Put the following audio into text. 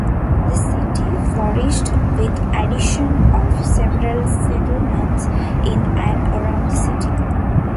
The city flourished with addition of several settlements in and around the city.